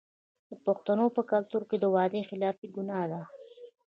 د پښتنو په کلتور کې وعده خلافي ګناه ده.